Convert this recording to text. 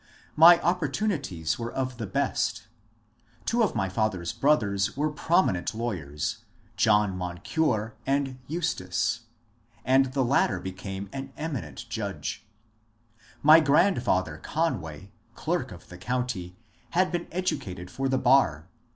My opportunities were of the best. Two of my father's brothers were prominent lawyers, John Moncure and Eustace, and the latter became an eminent judge. My grandfather Conway, clerk of the county, had been educated for the bar.